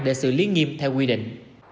để xử lý nghiêm theo quy định